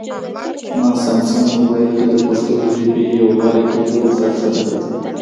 ما سامسنګ مبایل کې د پښتو ژبې یو غوره کیبورډ راښکته کړ